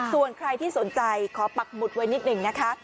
ส่วนใครที่สนใจขอปักหมุดไว้นิดหนึ่งนะคะ